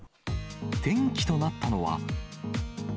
転機となったのは。